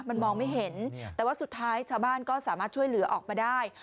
มันมองไม่เห็นแต่ว่าสุดท้ายชาวบ้านก็สามารถช่วยเหลือออกมาได้